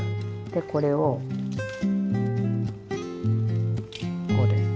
でこれをこうです。